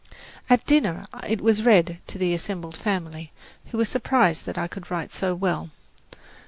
At dinner it was read to the assembled family, who were surprised that I could write so well.